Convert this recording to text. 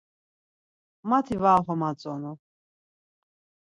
Mati var oxomatzonu.